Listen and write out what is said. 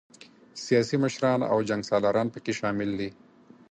سیاسي مشران او جنګ سالاران پکې شامل دي.